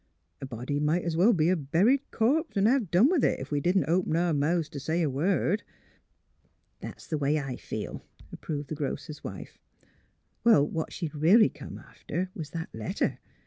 A body might 's well be a buried corp, an' done with it, ef we didn't open our mouths t' say a word." *' That's th' way I feel," approved the grocer's wife. '* Well, what she'd really come after was that letter.